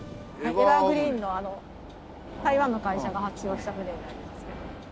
エバーグリーンの台湾の会社が発注をした船になりますね。